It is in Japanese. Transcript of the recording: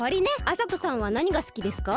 あさこさんはなにがすきですか？